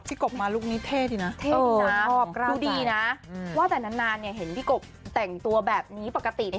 กบมาลุคนี้เท่ดีนะเท่ดีนะชอบดูดีนะว่าแต่นานเนี่ยเห็นพี่กบแต่งตัวแบบนี้ปกติเนี่ย